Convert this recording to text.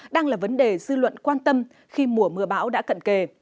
đang là vấn đề dư luận quan tâm khi mùa mưa bão đã cận kề